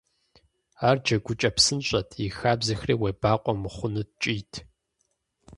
Ар джэгукӀэ псынщӏэт, и хабзэхэри уебакъуэ мыхъуну ткӀийт.